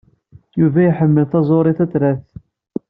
Yuba iḥemmel taẓuri tatrart.